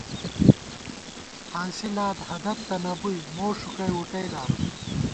ہانسی لاد ہدَت تہ نہ بُوئی موݭُکئ وُٹئ دارس